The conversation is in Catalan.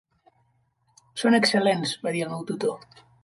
"Són excel·lents", va dir el meu tutor.